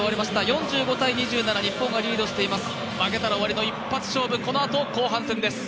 ４５−２７、日本がリードしています。